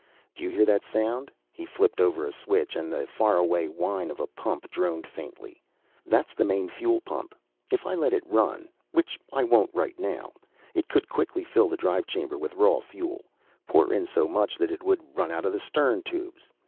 Do you hear that sound?" He flipped over a switch and the faraway whine of a pump droned faintly. "That's the main fuel pump. If I let it run which I won't right now it could quickly fill the drive chamber with raw fuel. Pour in so much that it would run out of the stern tubes.